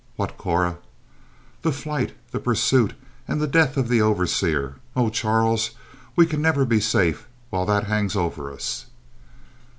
"What, Cora?" "The flight, the pursuit and the death of the overseer. Oh, Charles, we can never be safe, while that hangs over us."